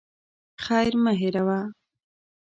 خير مه هېروه.